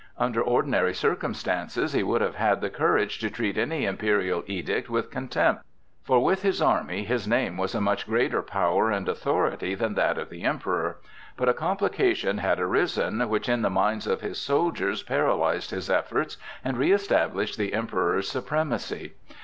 Under ordinary circumstances he would have had the courage to treat any imperial edict with contempt, for with his army his name was a much greater power and authority than that of the Emperor; but a complication had arisen which in the minds of his soldiers paralyzed his efforts and reëstablished the Emperor's supremacy.